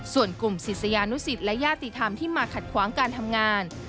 ส่วนกลุ่มศิษยานุสิตและญาติธรรมที่มาขัดขวางการทำงาน